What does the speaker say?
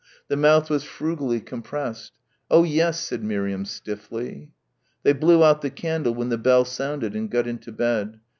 The mouth was frugally compressed. "Oh yes," said Miriam stiffly. They blew out the candle when the bell sounded and got into bed.